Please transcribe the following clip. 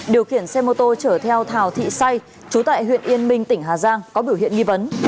điều khiển xe mô tô chở theo thảo thị xay trú tại huyện yên bình tỉnh hà giang có biểu hiện nghi vấn